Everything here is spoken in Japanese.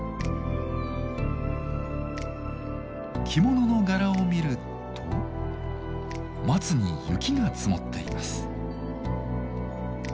着物の柄を見ると松に雪が積もっています。